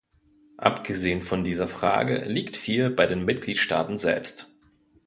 Abgesehen von dieser Frage liegt viel bei den Mitgliedstaaten selbst.